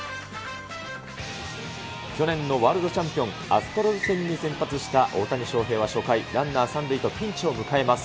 去年のワールドチャンピオン、アストロズ戦に先発した大谷翔平は初回、ランナー３塁とピンチを迎えます。